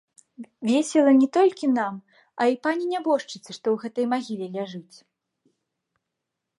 Весела не толькі нам, а і пані нябожчыцы, што ў гэтай магіле ляжыць.